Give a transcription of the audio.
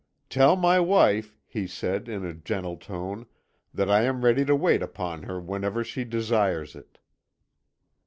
"'Tell my wife,' he said, in a gentle tone, 'that I am ready to wait upon her whenever she desires it.'